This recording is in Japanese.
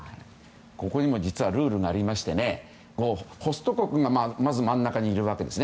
ここにも実はルールがあってホスト国がまず真ん中にいます。